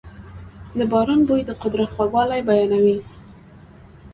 د باران بوی د قدرت خوږوالی بیانوي.